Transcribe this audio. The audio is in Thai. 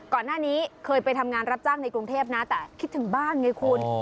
ก่อนหน้านี้เคยไปทำงานรับจ้างในกรุงเทพนะแต่คิดถึงบ้านไงคุณ